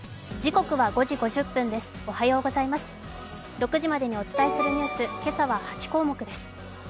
６時までにお伝えするニュース、今朝は８項目です。